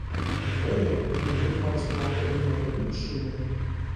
Двері від гетьманського кабінету відчинені.